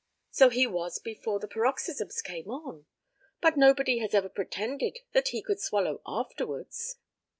So he was before the paroxysms came on; but nobody has ever pretended that he could swallow afterwards.